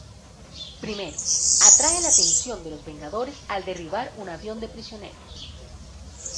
Primero, atrae la atención de los Vengadores al derribar un avión de prisioneros.